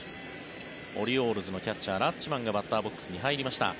オリオールズのキャッチャーラッチマンがバッターボックスに入りました。